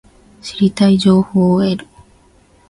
知りたい情報を得る